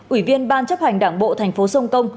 ủy viên ban chấp hành đảng bộ thành phố sông công